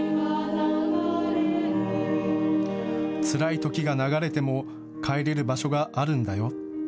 つらい時が流れても帰れる場所があるんだよ。